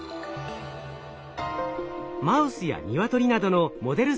マウスやニワトリなどのモデル